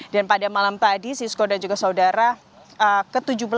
dan pada malam tadi cisco dan juga saudara ke tujuh belas